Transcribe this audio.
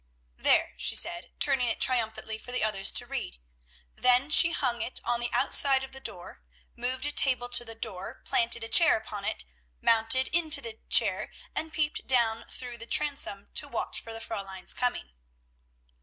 "There!" she said, turning it triumphantly for the others to read. Then she hung it on the outside of the door, moved a table to the door, planted a chair upon it, mounted into the chair, and peeped down through the transom to watch for the Fräulein's coming.